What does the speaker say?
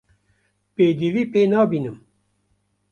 Pêdivî pê nabînim.